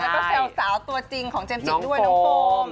แล้วก็แซวสาวตัวจริงของเจมส์จิด้วยน้องโฟม